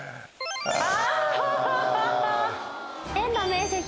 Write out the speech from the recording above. あ！